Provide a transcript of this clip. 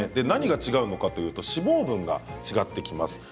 何が違うのか脂肪分が違ってきます。